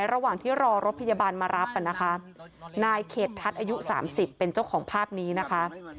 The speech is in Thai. ระหว่างที่รอรถพยาบาลมารับนะคะนายเขตทัศน์อายุ๓๐เป็นเจ้าของภาพนี้นะคะ